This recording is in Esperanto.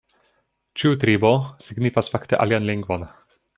Ĉiu tribo signifas fakte alian lingvon.